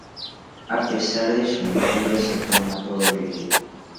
A pesar de su nombre, se toma todo el día.